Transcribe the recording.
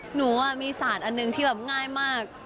หนูมีสารอันหนึ่งที่ง่ายมาก